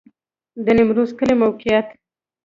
د نیمروز کلی موقعیت